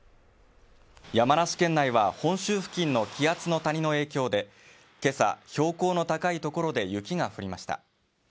山梨県内は本州付近の気圧の谷の影響でけさ標高の高いところで雪が降りました